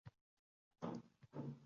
teskari ma’no kasb etganidadir.